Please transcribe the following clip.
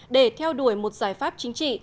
để theo đuổi một giải pháp chính trị